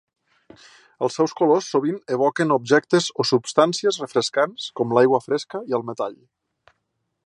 Els seus colors sovint evoquen objectes o substàncies refrescants com l'aigua fresca i el metall.